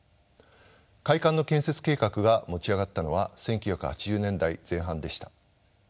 会館の建設計画が持ち上がったのは１９８０年代前半でした。